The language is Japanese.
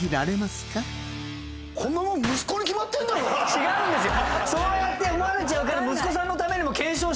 違うんですよ。